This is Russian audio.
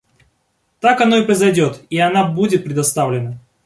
Так оно и произойдет, и она будет предоставлена.